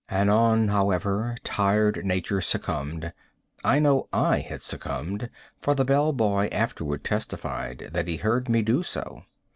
Anon, however, tired nature succumbed. I know I had succumbed, for the bell boy afterward testified that he heard me do so.